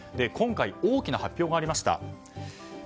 今回、大きな発表がありました。